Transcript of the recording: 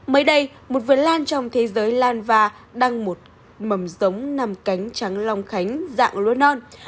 mới đây một vườn lan trong thế giới lan va đăng một mầm giống nằm cánh trắng lòng khánh dạng luôn non